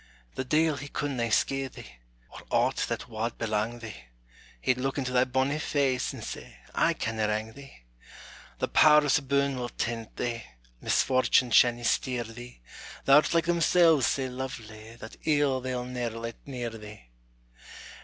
The deil he could na scaith thee, Or aught that wad belang thee; He'd look into thy bonnie face, And say, "I canna wrang thee!" The Powers aboon will tent thee; Misfortune sha' na steer thee; Thou'rt like themselves sae lovely That ill they 'll ne'er let near thee.